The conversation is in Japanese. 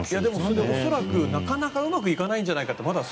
恐らくなかなかうまくいかないんじゃないかって